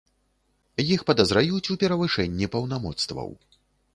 Іх падазраюць у перавышэнні паўнамоцтваў.